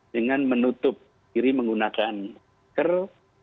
dengan menutup diri menggunakan masker